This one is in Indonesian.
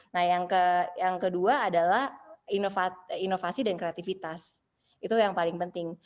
nah yang kedua adalah inovasi dan kreativitas itu yang paling penting